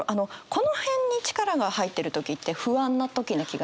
この辺に力が入ってる時って不安な時な気がして。